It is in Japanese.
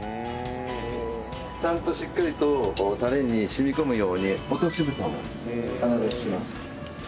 ちゃんとしっかりとこのタレに染み込むように落とし蓋を必ずします。